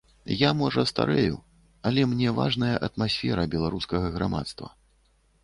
Я, можа, старэю, але мне важная атмасфера беларускага грамадства.